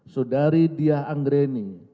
saudari diah anggreni